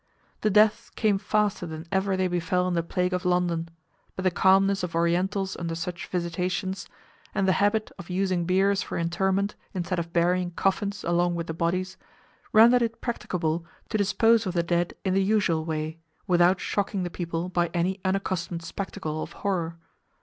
The deaths came faster than ever they befell in the plague of London; but the calmness of Orientals under such visitations, and the habit of using biers for interment, instead of burying coffins along with the bodies, rendered it practicable to dispose of the dead in the usual way, without shocking the people by any unaccustomed spectacle of horror.